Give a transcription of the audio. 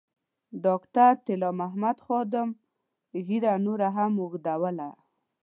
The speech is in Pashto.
ډاکټر طلا محمد خادم ږیره نوره هم اوږدوله.